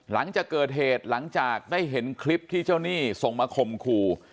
หลังจากเกิดเหตุหลังจากได้เห็นคลิปที่เจ้าหนี้ส่งมาข่มขู่